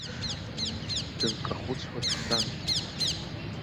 Дынкахәыцуа дтәан.